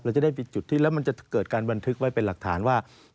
จะได้ปิดจุดที่แล้วมันจะเกิดการบันทึกไว้เป็นหลักฐานว่า